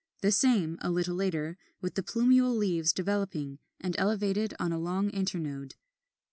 The same, a little later, with the plumule leaves developing, and elevated on a long internode.